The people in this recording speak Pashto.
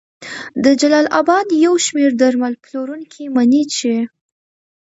د جلال اباد یو شمېر درمل پلورونکي مني چې